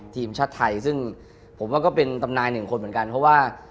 ทีมชาติไทยซึ่งผมว่าก็เป็นตำนายหนึ่งคนเหมือนกันเพราะว่า